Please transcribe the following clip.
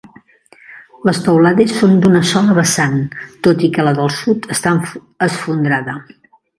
Les teulades són d'una sola vessant, tot i que la del sud està esfondrada.